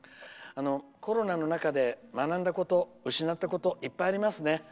コロナの中で学んだこと、失ったこといっぱいありますね。